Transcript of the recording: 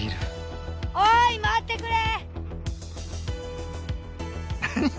おい待ってくれ！